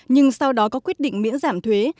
nhưng sau đó có quyết định miễn giảm thuế